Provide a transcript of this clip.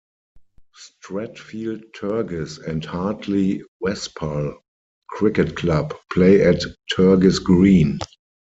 Stratfield Turgis and Hartley Wespall Cricket Club play at Turgis Green.